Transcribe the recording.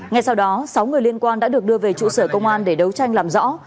ngay sau đó sáu người liên quan đã được đưa về trụ sở công an để đấu tranh làm rõ